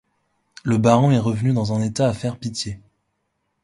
Le baron est revenu dans un état à faire pitié.